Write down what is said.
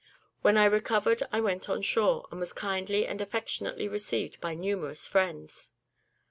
When I recovered I went on shore, and was kindly and affectionately received by my numerous friends.